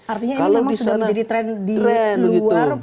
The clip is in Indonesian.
artinya ini memang sudah menjadi tren di luar